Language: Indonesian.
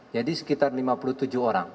jadi sekitar lima puluh tujuh orang